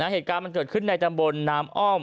เหตุการณ์มันเกิดขึ้นในตำบลน้ำอ้อม